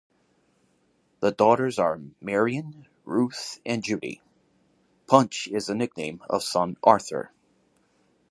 The daughters are Marian, Ruth and Judy; Punch is the nickname of son Arthur.